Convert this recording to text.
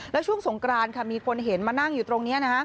แล้วช่วงสงกรานค่ะมีคนเห็นมานั่งอยู่ตรงนี้